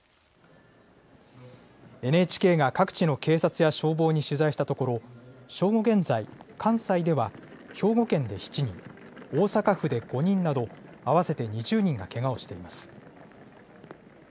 ＮＨＫが各地の警察や消防に取材したところ、正午現在、関西では兵庫県で７人、大阪府で５人など、合わせて２０人がけがをしています。